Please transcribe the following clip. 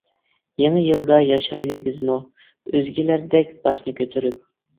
يېڭى يىلدا ياشايلى بىزمۇ، ئۆزگىلەردەك باشنى كۆتۈرۈپ.